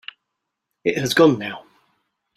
It has gone now.